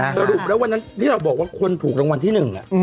สรุปแล้ววันนั้นที่เราบอกว่าคนถูกรางวัลที่หนึ่ง